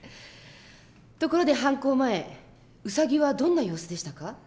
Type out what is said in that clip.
ところで犯行前ウサギはどんな様子でしたか？